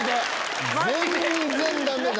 全然ダメ！